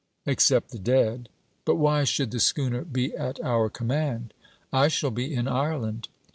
'Except the dead. But why should the schooner be at our command?' 'I shall be in Ireland.'